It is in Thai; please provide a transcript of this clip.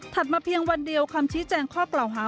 มาเพียงวันเดียวคำชี้แจงข้อกล่าวหา